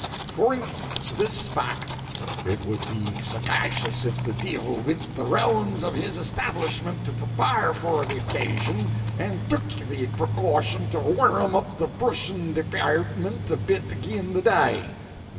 Forninst this fact it would be sagacious if the divil wint the rounds of his establishment to prepare for the occasion, and tuk the precaution to warrum up the Prussian depairtment a bit agin the day.